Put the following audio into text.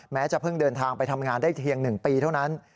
จะเพิ่งเดินทางไปทำงานได้เพียง๑ปีเท่านั้น